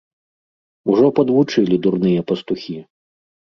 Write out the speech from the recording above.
Ужо падвучылі дурныя пастухі!